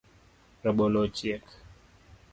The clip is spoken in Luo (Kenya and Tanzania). Rabolo ochiek